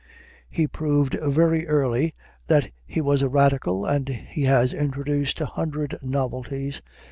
He proved very early that he was a radical, and he has introduced a hundred novelties.